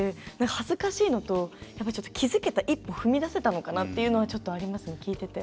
恥ずかしいのと気付けて一歩踏み出せたのかなっていうのはありますね。